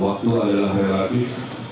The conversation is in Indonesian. waktu adalah heratif